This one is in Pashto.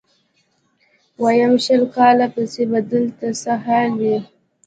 ويم شل کاله پس به دلته څه حال وي.